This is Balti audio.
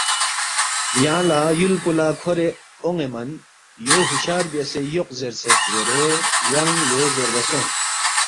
یانگ لہ یُول پو لہ کھورے اون٘ے من یو ہُشیار بیاسے یوق زیرسید زیرے یانگ یو زیربا سونگ